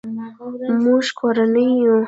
مونږ کورنۍ یو